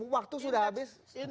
waktu sudah habis